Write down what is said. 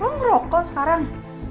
lo ngerokok sekarang